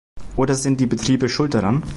Oder sind die Betriebe schuld daran?